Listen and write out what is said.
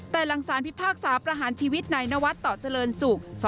แต่หลังสารพิพากษาประหารชีวิตนายนวัดต่อเจริญศุกร์